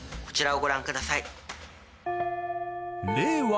こちらをご覧ください。